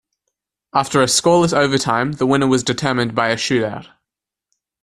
After a scoreless overtime, the winner was determined by a shootout.